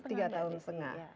tiga tahun setengah